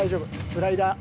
スライダー。